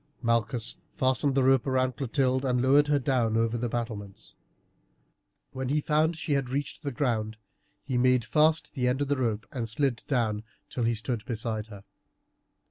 Malchus fastened the rope round Clotilde, and lowered her down over the battlements. When he found that she had reached the ground he made fast the end of the rope and slid down till he stood beside her.